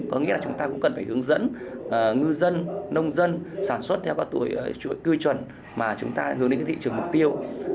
có nghĩa là chúng ta cũng cần phải hướng dẫn ngư dân nông dân sản xuất theo các cư chuẩn mà chúng ta hướng đến thị trường mục tiêu